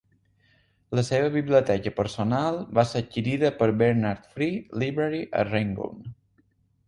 La seva biblioteca personal va ser adquirida per Bernard Free Library a Rangoon.